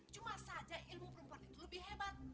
cuma saja ilmu perempuan itu lebih hebat